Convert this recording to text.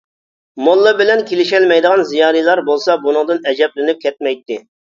موللا بىلەن كېلىشەلمەيدىغان زىيالىيلار بولسا بۇنىڭدىن ئەجەبلىنىپ كەتمەيتتى.